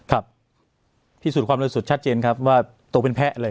ครับพิสูจน์ความบริสุทธิ์ชัดเจนครับว่าตกเป็นแพ้เลย